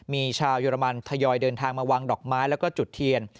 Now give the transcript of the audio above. มีชาวเยอรมันทยอยเดินทางมาวางดอกไม้แล้วก็จุดเทียน